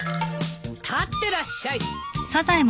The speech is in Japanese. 立ってらっしゃい！